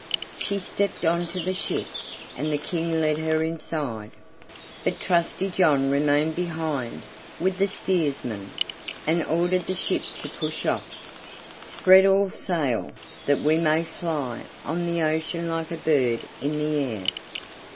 She stepped on to the ship, and the King led her inside. But Trusty John remained behind with the steersman, and ordered the ship to push off. "Spread all sail, that we may fly on the ocean like a bird in the air."